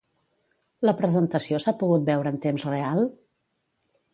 La presentació s'ha pogut veure en temps real?